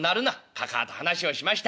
「かかあと話をしました。